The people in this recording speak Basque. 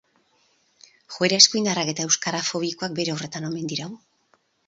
Joera eskuindarrak eta euskarafobikoak bere horretan omen dirau.